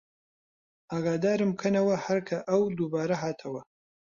ئاگەدارم بکەنەوە هەر کە ئەو دووبارە هاتەوە